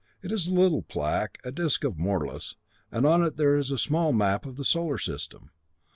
It is a little plaque, a disc of morlus, and on it there is a small map of the Solar System.